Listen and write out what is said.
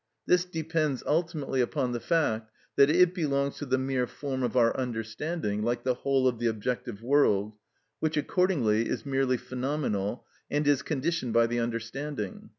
This depends ultimately upon the fact that it belongs to the mere form of our understanding, like the whole of the objective world, which accordingly is merely phenomenal, and is conditioned by the understanding.